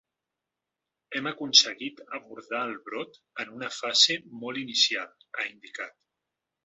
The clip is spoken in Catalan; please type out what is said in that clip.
Hem aconseguit abordar el brot en una fase molt inicial, ha indicat.